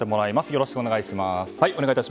よろしくお願いします。